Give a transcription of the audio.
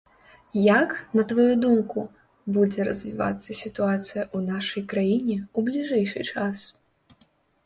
Як, на тваю думку, будзе развівацца сітуацыя ў нашай краіне ў бліжэйшы час?